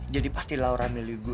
jadi pasti laura milih gua